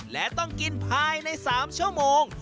และต้องกินภายใน๓ชั่วโมง